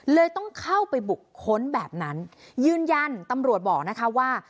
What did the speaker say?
เลยต้องเข้าไปบุกค้นแบบนั้นยืนยันตำรวจบอกนะคะว่า